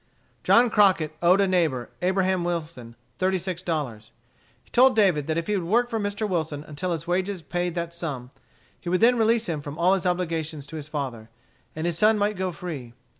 John Crockett owed a neighbor, Abraham Wilson, thirty six dollars. He told David that if he would work for Mr. Wilson until his wages paid that sum, he would then release him from all his obligations to his father, and his son might go free.